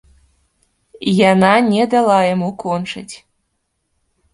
Яна не дала яму кончыць.